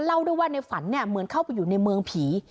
เล่าด้วยว่าในฝันเนี่ยเหมือนเข้าไปอยู่ในเมืองผี